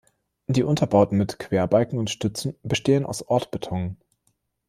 Die Unterbauten mit Querbalken und Stützen bestehen aus Ortbeton.